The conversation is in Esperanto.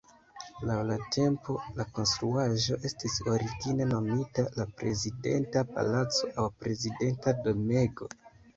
Laŭ la tempo, la konstruaĵo estis origine nomita la Prezidenta Palaco aŭ Prezidenta Domego.